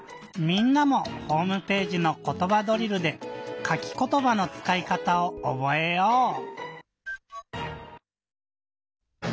みんなもホームページの「ことばドリル」で「かきことば」のつかいかたをおぼえよう！